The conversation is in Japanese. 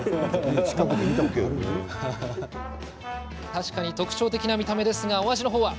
確かに特徴的な見た目ですがお味の方は？